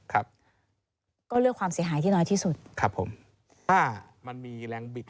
ก็เลือกความเสียหายที่น้อยที่สุด